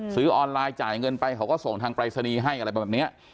ซื้อออนไลน์จ่ายเงินไปเขาก็ส่งทางปรายศนีย์ให้อะไรประมาณแบบนี้